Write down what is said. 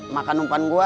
makan umpan gua